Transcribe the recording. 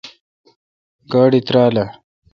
گاڑی ترال اؘ۔